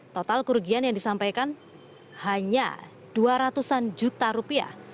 total kerugian yang disampaikan hanya dua ratus an juta rupiah